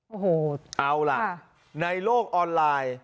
โอ้โหเอาล่ะในโลกออนไลน์